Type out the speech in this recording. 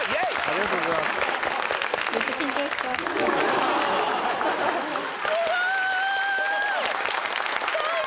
ありがとうございますすごーい！